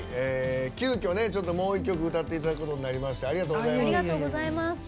急きょ、もう一曲歌っていただくことになりましてありがとうございます。